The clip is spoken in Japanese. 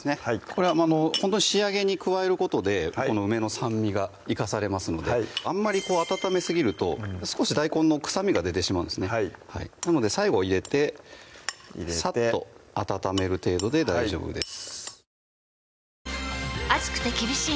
これはほんとに仕上げに加えることでこの梅の酸味が生かされますのであんまり温めすぎると少し大根の臭みが出てしまうんですねなので最後入れてさっと温める程度で大丈夫です